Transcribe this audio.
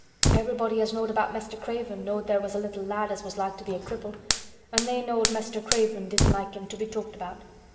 "Everybody as knowed about Mester Craven knowed there was a little lad as was like to be a cripple, an' they knowed Mester Craven didn't like him to be talked about.